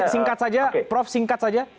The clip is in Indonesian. singkat saja prof singkat saja